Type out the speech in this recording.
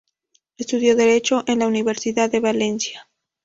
Estudió derecho en la Universidad de Valencia.